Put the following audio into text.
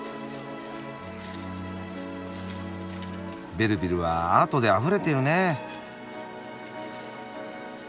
ベルヴィルはアートであふれているね。